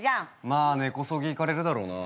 まあ根こそぎいかれるだろうな。